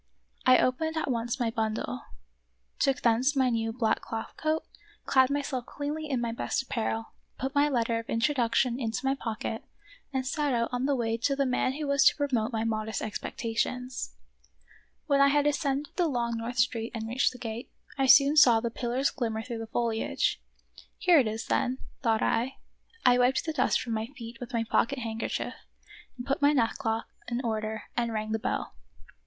I 2 The Wonderful History opened at once my bundle ; took thence my new black cloth coat; clad myself cleanly in my best apparel ; put my letter of introduction into my pocket, and set out on the way to the man who was to promote my modest expectations. When I had ascended the long North Street and reached the gate, I soon saw the pillars glimmer through the foliage. " Here it is then," thought I. I wiped the dust from my feet with my pocket handkerchief, put my neckcloth in order, and rang the bell.